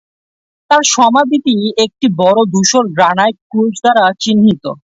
তাঁর সমাধিটি একটি বড় ধূসর গ্রানাইট ক্রুশ দ্বারা চিহ্নিত।